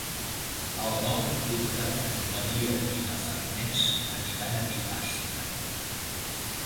El nou d'octubre en Maria i na Farners aniran a Bigastre.